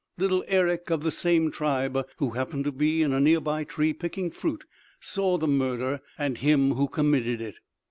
Little Erick of the same tribe, who happened to be in a near by tree picking fruit, saw the murder and him who committed it.